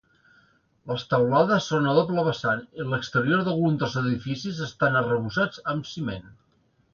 Les teulades són a doble vessant i l'exterior d'alguns dels edificis estan arrebossats amb ciment.